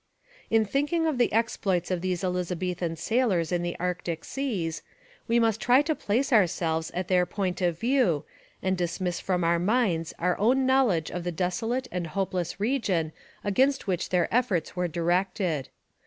In thinking of the exploits of these Elizabethan sailors in the Arctic seas, we must try to place ourselves at their point of view, and dismiss from our minds our own knowledge of the desolate and hopeless region against which their efforts were directed.